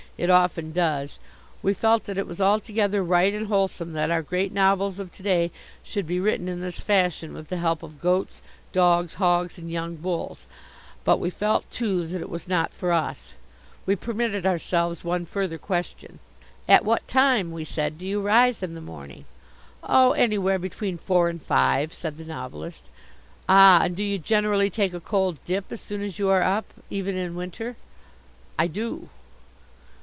It often does. We felt that it was altogether right and wholesome that our great novels of to day should be written in this fashion with the help of goats, dogs, hogs and young bulls. But we felt, too, that it was not for us. We permitted ourselves one further question. "At what time," we said, "do you rise in the morning?" "Oh anywhere between four and five," said the Novelist. "Ah, and do you generally take a cold dip as soon as you are up even in winter?" "I do."